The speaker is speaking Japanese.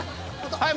はい。